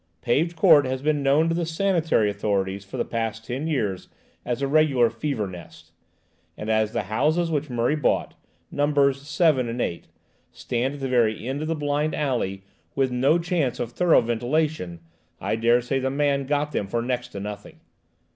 Paved Court has been known to the sanitary authorities for the past ten years as a regular fever nest, and as the houses which Murray bought–numbers 7 and 8–stand at the very end of the blind alley, with no chance of thorough ventilation, I dare say the man got them for next to nothing.